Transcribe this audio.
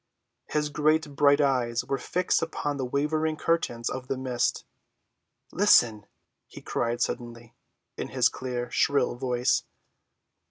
His great bright eyes were fixed upon the wavering curtains of the mist. "Listen!" he cried suddenly, in his clear, shrill voice.